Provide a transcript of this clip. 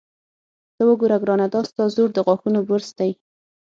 ته وګوره ګرانه، دا ستا زوړ د غاښونو برس دی.